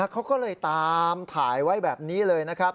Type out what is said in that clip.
เขาก็เลยตามถ่ายไว้แบบนี้เลยนะครับ